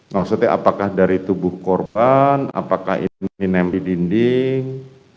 maksudnya apakah dari tubuh korban apakah ini nem di dinding